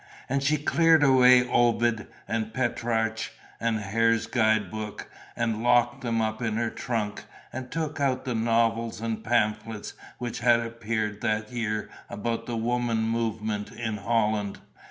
And she cleared away Ovid and Petrarch and Hare's guidebook and locked them up in her trunk and took out the novels and pamphlets which had appeared that year about the woman movement in Holland.